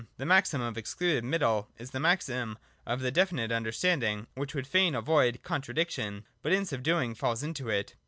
— The Maxim of Excluded Middle is the maxim of the definite understanding, which would fain avoid contra diction, but in so doing falls into it.